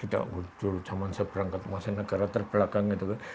kita wujud zaman saya berangkat ke masyarakat terbelakang gitu kan